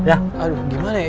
aduh gimana ya